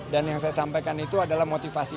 dan yang saya sampaikan itu adalah motivasi